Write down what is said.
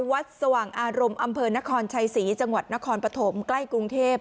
สว่างอารมณ์อำเภอนครชัยศรีจังหวัดนครปฐมใกล้กรุงเทพ